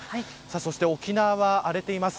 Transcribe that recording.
そして沖縄は荒れています。